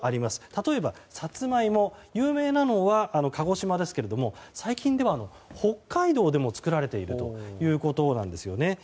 例えばサツマイモで有名なのは鹿児島ですが最近では北海道でも作られているということなんですよね。